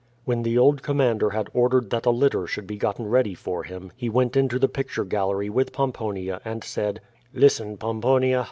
When the old commander had ordered that a litter should be gotten ready for him, he went into the picture gallery with Pomponia, and said: "Listen, Pomponia.